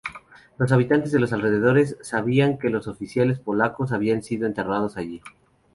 Los habitantes de los alrededores sabían que los oficiales polacos habían sido enterrados allí.